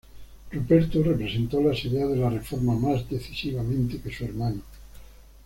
Ruperto representó las ideas de la Reforma más decisivamente que su hermano.